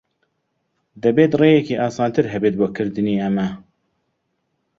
دەبێت ڕێیەکی ئاسانتر ھەبێت بۆ کردنی ئەمە.